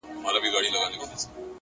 مثبت فکر د شکونو ورېځې خوروي